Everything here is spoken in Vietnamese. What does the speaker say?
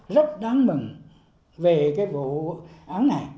rất đáng mừng về cái vụ án này